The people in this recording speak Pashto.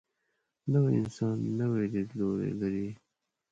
نوی انسان نوی لیدلوری لري